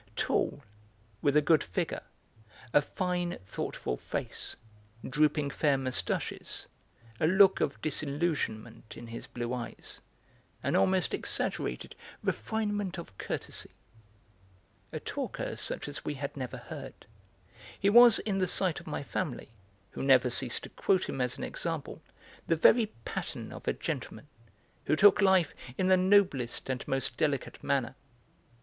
Tall, with a good figure, a fine, thoughtful face, drooping fair moustaches, a look of disillusionment in his blue eyes, an almost exaggerated refinement of courtesy; a talker such as we had never heard; he was in the sight of my family, who never ceased to quote him as an example, the very pattern of a gentleman, who took life in the noblest and most delicate manner.